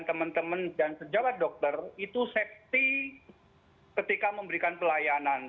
dan teman teman dan sejawat dokter itu safety ketika memberikan pelayanan